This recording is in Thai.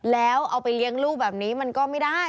แล้วเอาไปเลี้ยงลูกแบบนี้มันก็ไม่ได้